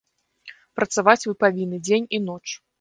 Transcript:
Працаваць вы павінны дзень і ноч.